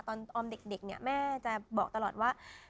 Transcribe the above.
ออมเด็กเนี่ยแม่จะบอกตลอดว่า